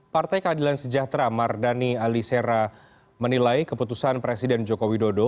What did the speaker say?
partai keadilan sejahtera mardani alisera menilai keputusan presiden joko widodo